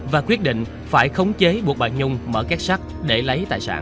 và quyết định phải khống chế buộc bà nhung mở két sắt để lấy tài sản